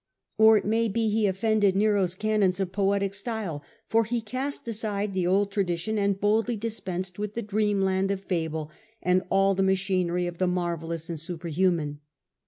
Or it may be he offended Nero's canons of poetic style, for he cast aside the old tradition and boldly dispensed with the dreamland of fable and all the machinery of the marvellous and superhuman.